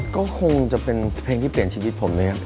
ก็คงจะเป็นเพลงที่เปลี่ยนชีวิตผมเลยครับ